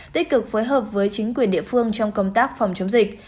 tích cực phối hợp với chính quyền địa phương trong công tác phòng chống dịch